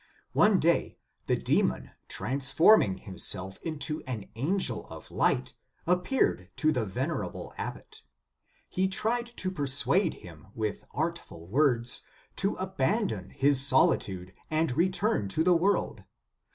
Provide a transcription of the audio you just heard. One day, the demon, transforming himself into an angel of light, appeared to the vener able abbot. He tried to persuade him, with artful words, to abandon his solitude and return to the world.